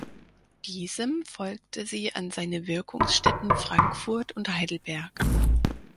Diesem folgte sie an seine Wirkungsstätten Frankfurt und Heidelberg.